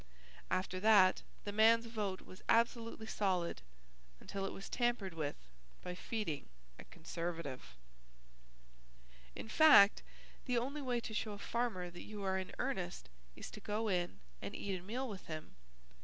After that the man's vote was absolutely solid until it was tampered with by feeding a Conservative. In fact, the only way to show a farmer that you are in earnest is to go in and eat a meal with him.